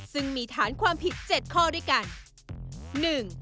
ซึ่งมีฐานความผิด๗ข้อด้วยกัน